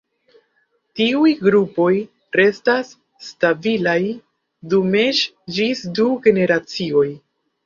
Tiuj grupoj restas stabilaj dum eĉ ĝis du generacioj.